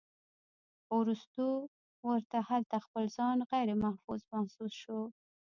خو وروستو ورته هلته خپل ځان غيرمحفوظ محسوس شو